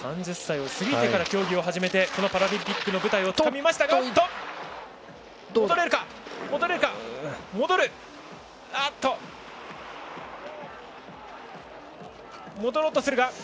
３０歳を過ぎてから競技を始めてこのパラリンピックの舞台をつかみましたが。